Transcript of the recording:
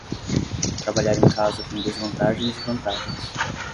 Trabalhar em casa tem desvantagens e vantagens.